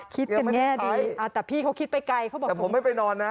คิดแน่ดีแต่พี่เราคิดด้วยคนให้ไปนอนนะ